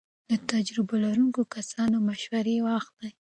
له تجربو لرونکو کسانو مشورې واخلئ.